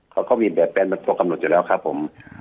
เค้าก็มีแบบเป็นประตูคำหนดอยู่แล้วครับผม